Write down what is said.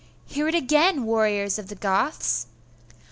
Hear it again, warriors of the Goths!